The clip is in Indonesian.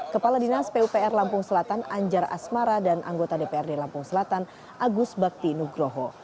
kepala dinas pupr lampung selatan anjar asmara dan anggota dprd lampung selatan agus bakti nugroho